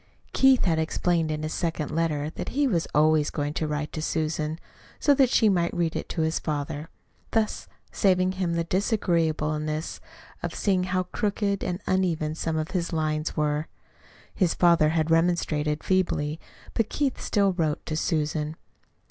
Keith had explained in his second letter that he was always going to write to Susan, so that she might read it to his father, thus saving him the disagreeableness of seeing how crooked and uneven some of his lines were. His father had remonstrated feebly; but Keith still wrote to Susan.